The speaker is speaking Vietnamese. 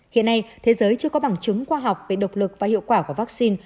hiện nay thế giới chưa có bằng chứng khoa học về độc lực và hiệu quả của vaccine